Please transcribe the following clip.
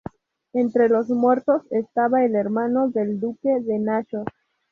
Entre los muertos estaba el hermano del duque de Naxos.